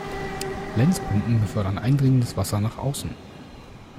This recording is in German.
Lenzpumpen befördern eindringendes Wasser nach außen.